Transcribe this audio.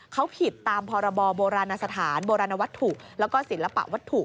เขาผิดตามพบสถานบวัตถุและก็ศิลปะวัตถุ